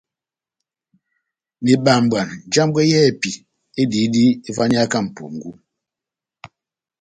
Na ibambwa njambwɛ yɛ́hɛ́pi ediyidi evaniyaka mʼpungú.